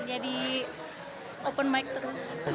jadi open mic terus